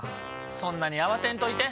そんなに慌てんといて。